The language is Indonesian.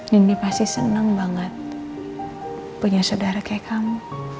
nini pasti senang banget punya saudara kayak kamu